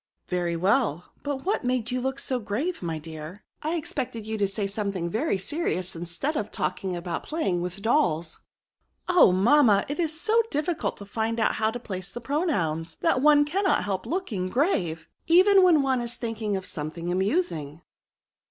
*'" Very well ; but what made you look so grave, my dear ? I expected you would say R 2 184 RELATIVE PRONOUNS, sometliing very serious^ instead of talking about playing with dolls." '^ Oh ! mamma, it is so difficult to find out how to place the pronouns, that one cannot help looking grave, even when one is think ing of something amusing."